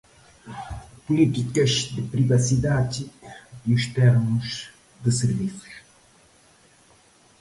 Políticas de privacidade e os termos de serviços